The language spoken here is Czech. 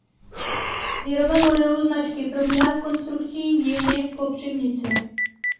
Výroba modelů značky probíhá v konstrukční dílně v Kopřivnici.